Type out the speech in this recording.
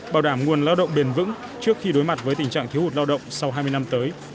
bảo đảm nguồn lao động bền vững trước khi đối mặt với tình trạng thiếu hụt lao động sau hai mươi năm tới